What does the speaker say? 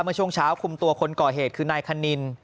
เมื่อช่วงเช้าคุมตัวคนก่อเหตุคือนายคณิน